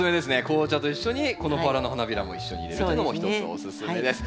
紅茶と一緒にこのバラの花びらも一緒に入れるというのもひとつおすすめです。